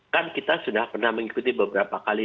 kan kita sudah pernah mengikuti beberapa kali